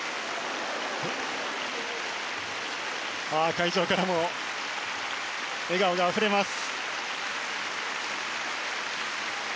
会場からも笑顔があふれます。